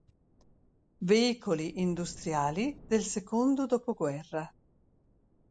Veicoli industriali del secondo dopoguerra